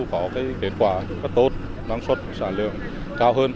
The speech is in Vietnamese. có cái kết quả rất tốt năng suất sản lượng cao hơn